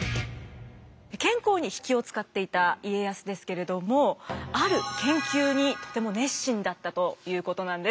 健康に気を遣っていた家康ですけれどもある研究にとても熱心だったということなんです。